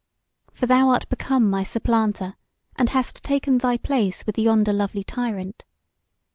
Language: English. For thou art become my supplanter, and hast taken thy place with yonder lovely tyrant.